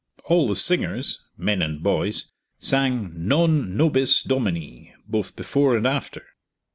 All the singers (men and boys) sang "Non nobis Domini" both before and after.